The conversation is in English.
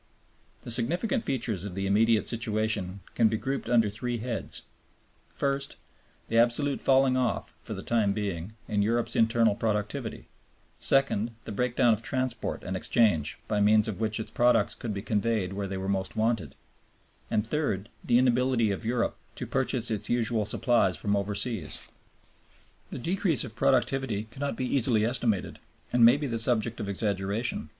The significant features of the immediate situation can be grouped under three heads: first, the absolute falling off, for the time being, in Europe's internal productivity; second, the breakdown of transport and exchange by means of which its products could be conveyed where they were most wanted; and third, the inability of Europe to purchase its usual supplies from overseas. The decrease of productivity cannot be easily estimated, and may be the subject of exaggeration.